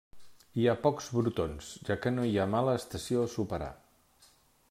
Hi ha pocs brotons, ja que no hi ha mala estació a superar.